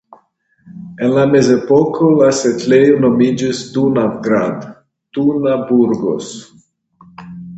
En la Mezepoko la setlejo nomiĝis Dunavgrad (Tunaburgos).